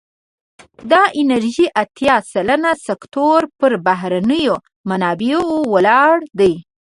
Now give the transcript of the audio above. د انرژی اتیا سلنه سکتور پر بهرنیو منابعو ولاړ دی.